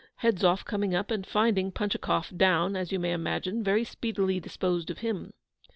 Hedzoff coming up, and finding Punchikoff down, as you may imagine, very speedily disposed of HIM.